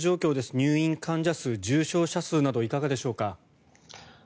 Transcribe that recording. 入院患者数、重症者数などいかがでしょうか。